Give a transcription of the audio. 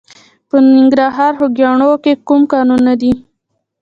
د ننګرهار په خوږیاڼیو کې کوم کانونه دي؟